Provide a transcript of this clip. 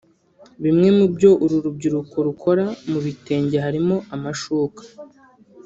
Bimwe mu byo uru rubyiruko rukora mu bitenge harimo amashuka